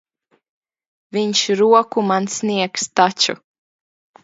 Viņš roku man sniegs taču.